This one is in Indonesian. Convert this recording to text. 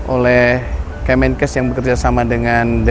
oleh kemenkes yang bekerjasama dengan dpr ri